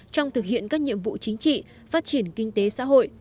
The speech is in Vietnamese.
trong thực hiện các nhiệm vụ chính trị phát triển kinh tế xã hội